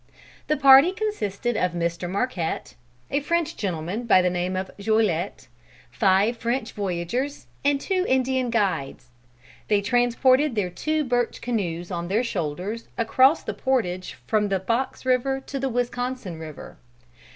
The party consisted of Mr. Marquette, a French gentleman by the name of Joliete, five French voyageurs and two Indian guides. They transported their two birch canoes on their shoulders across the portage from the Fox River to the Wisconsin river.